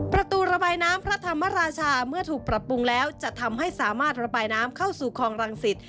ประตูระบายน้ำพระธรรมราชาเมื่อถูกปรับปรุงแล้วจะทำให้สามารถระบายน้ำเข้าสู่คลองรังสิต